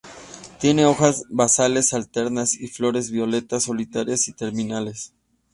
Tiene hojas basales alternas y flores violetas solitarias y terminales.